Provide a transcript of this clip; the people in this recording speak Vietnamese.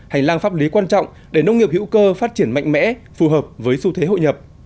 hành lang pháp lý quan trọng để nông nghiệp hữu cơ phát triển mạnh mẽ phù hợp với xu thế hội nhập